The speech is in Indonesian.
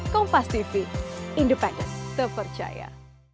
kompas tv independen terpercaya